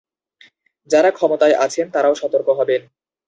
যাঁরা ক্ষমতায় আছেন, তাঁরাও সতর্ক হবেন।